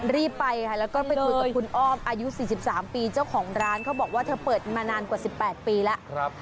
รีบไปค่ะแล้วก็ไปคุยกับคุณอ้อมอายุ๔๓ปีเจ้าของร้านเขาบอกว่าเธอเปิดมานานกว่า๑๘ปีแล้ว